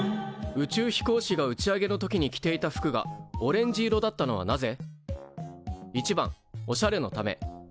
宇宙飛行士が打ち上げの時に着ていた服がオレンジ色だったのはなぜ？